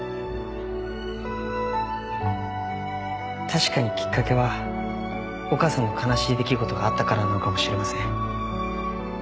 確かにきっかけはお母さんの悲しい出来事があったからなのかもしれません。